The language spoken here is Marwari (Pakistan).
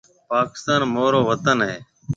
پاڪستان مهورو وطن هيَ۔